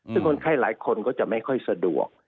ซึ่งคนไข้หลายคนก็จะไม่ค่อยสะดวก